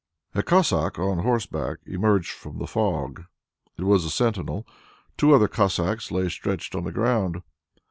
A Cossack on horseback emerged from the fog. It was a sentinel. Two other Cossacks lay stretched on the ground.